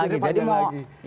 pensiunya panjang lagi